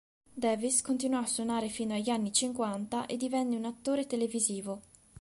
Davis continuò a suonare fino agli anni cinquanta e divenne un attore televisivo.